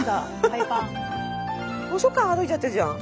図書館歩いちゃってるじゃん。